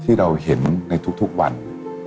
ภาพที่เราเห็นไม่ได้เป็นอย่างนั้นเลย